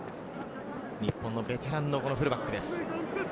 日本のベテランのフルバックです。